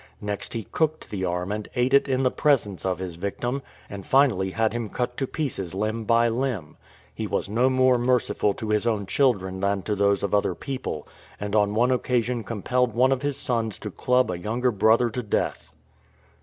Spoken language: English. Next he cooked the arm and ate it in the presence of his victim, and finally had him cut to pieces limb by limb. He was no more merciful to his own children than to those of other people, and on one occa sion compelled one of his sons to club a younger brother to death.